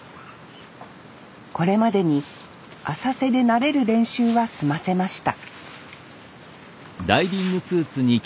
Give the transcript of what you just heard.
これまでに浅瀬で慣れる練習は済ませました